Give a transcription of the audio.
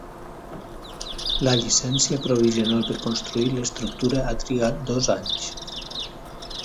La llicència provisional per construir l'estructura ha trigat dos anys.